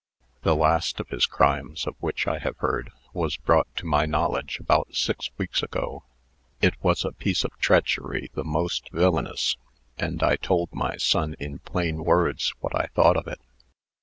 The last of his crimes of which I have heard, was brought to my knowledge about six weeks ago. It was a piece of treachery the most villanous, and I told my son, in plain words, what I thought of it.